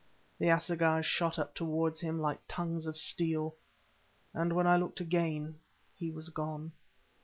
The assegais shot up towards him like tongues of steel, and when I looked again he was gone.